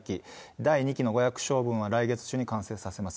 第２期の５００床分は来月中に完成します。